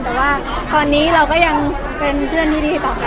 แต่ว่าตอนนี้เราก็ยังเป็นเพื่อนที่ดีต่อกัน